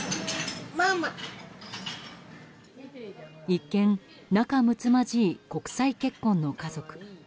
一見、仲むつまじい国際結婚の家族。